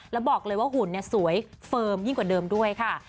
แล้วบอกเลยว่าหุ่นสวยเฟิร์มยิ่งกว่าเดิมด้วยค่ะ